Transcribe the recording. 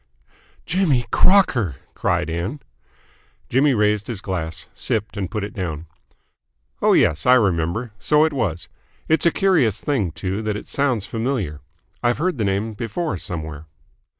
"Jimmy Crocker!" cried Ann. Jimmy raised his glass, sipped, and put it down. "Oh yes, I remember. So it was. It's a curious thing, too, that it sounds familiar. I've heard the name before somewhere."